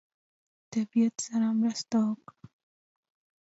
طبیعت سره مرسته وکړه.